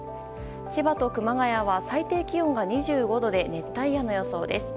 千葉と熊谷は最低気温が２５度で熱帯夜の予想です。